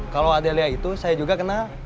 kalau adelia itu saya juga kena